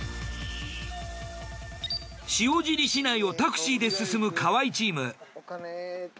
塩尻市内をタクシーで進む河合チーム。